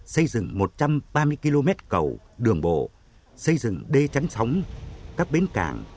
xây dựng một trăm ba mươi km cầu đường bộ xây dựng đê tránh sóng các bến càng